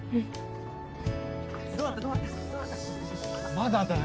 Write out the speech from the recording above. まだだよ